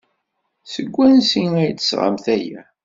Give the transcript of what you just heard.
Seg wansi ay d-tesɣamt aya?